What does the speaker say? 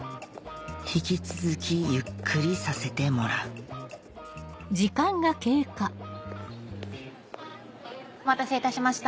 引き続きゆっくりさせてもらうお待たせいたしました。